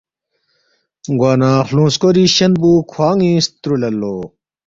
گوانہ خلُونگ سکوری شین پو کھوان٘ی سترُولید لو